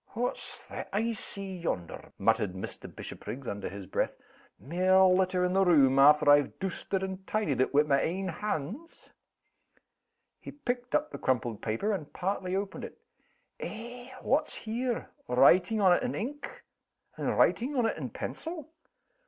"What's that I see yonder?" muttered Mr. Bishopriggs, under his breath. "Mair litter in the room, after I've doosted and tidied it wi' my ain hands!" He picked up the crumpled paper, and partly opened it. "Eh! what's here? Writing on it in ink? and writing on it in pencil?